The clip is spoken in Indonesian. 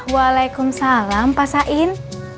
waalaikumsalam pak sain